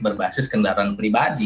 berbasis kendaraan pribadi